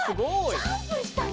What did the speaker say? ジャンプしたね！